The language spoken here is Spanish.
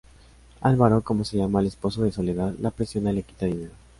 Alvaro como se llama el esposo de Soledad, la presiona y le quita dinero.